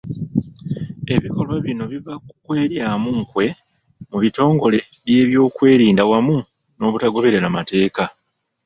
Ebikolwa bino biva ku kweryamu nkwe mu bitongole by’ebyokwerinda wamu n’obutagoberera mateeka.